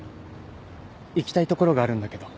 行きたい所があるんだけど。